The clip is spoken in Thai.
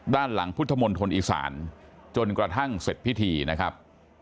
ด้านหลังพุทธมณฑลอีสานจนกระทั่งเสร็จพิธีนะครับ